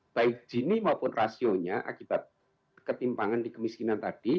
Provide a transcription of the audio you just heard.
baik gini maupun rasionya akibat ketimpangan di kemiskinan tadi